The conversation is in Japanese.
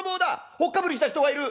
ほっかむりした人がいる！